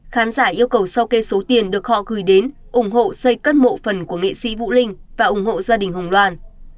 khán giả yêu cầu sau kê số tiền được họ gửi đến ủng hộ xây cất mộ phần của nghệ sĩ vũ linh và ủng hộ gia đình hùng đoàn